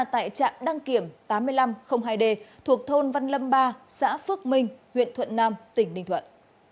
tại trạm đăng kiểm tám nghìn năm trăm linh hai d thuộc thôn văn lâm ba xã phước minh huyện thuận nam tỉnh ninh thuận